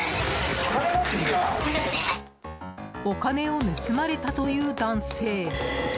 お金を盗まれたという男性。